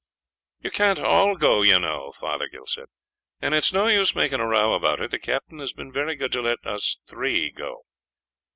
"You can't all go, you know," Fothergill said, "and it's no use making a row about it; the captain has been very good to let three of us go."